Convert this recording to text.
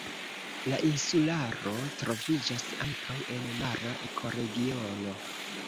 La insularo troviĝas ankaŭ en mara ekoregiono.